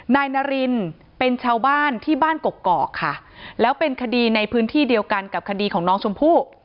นายนารินเป็นชาวบ้านที่บ้านกกอกค่ะแล้วเป็นคดีในพื้นที่เดียวกันกับคดีของน้องชมพู่